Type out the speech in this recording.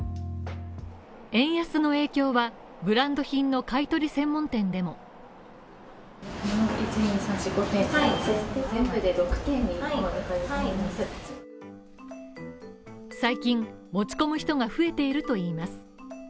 円安の影響はブランド品の買取専門店でも最近持ち込む人が増えているといいます。